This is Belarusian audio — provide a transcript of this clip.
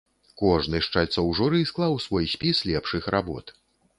Кожны з чальцоў журы склаў свой спіс лепшых работ.